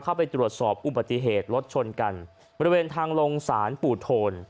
เข้าไปตรวจสอบอุบัติเหตุรถชนกันบริเวณทางลงศาลปู่โทน